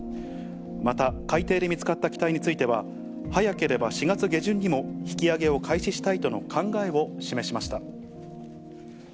また海底で見つかった機体については、早ければ４月下旬にも引き揚げを開始したいとの考えを示しました。